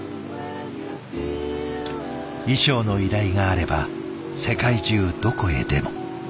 衣装の依頼があれば世界中どこへでも。